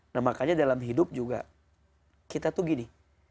nah makanya dalam hidup juga kita tuh gini